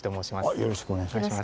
よろしくお願いします。